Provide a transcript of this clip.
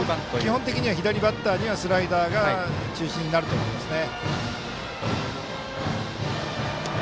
基本的には左バッターにはスライダーが中心になると思いますね。